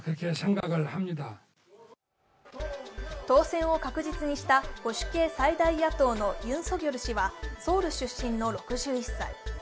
当選を確実にした保守系最大野党のユン・ソギョル氏はソウル出身の６１歳。